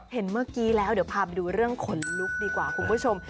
เห็นเมื่อกี้แล้วเดี๋ยวพาไปดูเรื่องขนลุกดีกว่าคุณผู้ชม